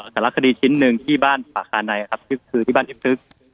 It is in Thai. แต่ละคดีชิ้นหนึ่งที่บ้านฝาคานัยครับคือที่บ้านทิศฤกษ์